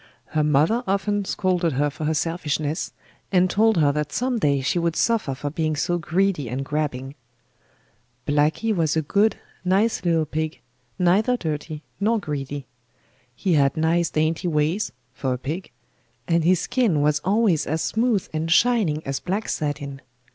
Her mother often scolded her for her selfishness, and told her that some day she would suffer for being so greedy and grabbing. Blacky was a good, nice little pig, neither dirty nor greedy. He had nice dainty ways (for a pig), and his skin was always as smooth and shining as black satin.